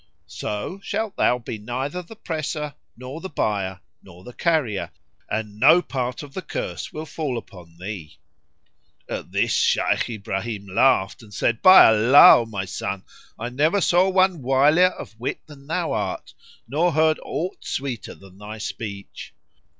So shalt thou be neither the presser, nor the buyer, nor the carrier; and no part of the curse will fall upon thee." At this Shaykh Ibrahim laughed and said, "By Allah, O my son, I never saw one wilier of wit than thou art, nor heard aught sweeter than thy speech."